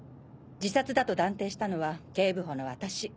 自殺だと断定したのは警部補の私。